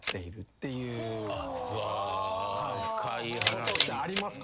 ことってありますか？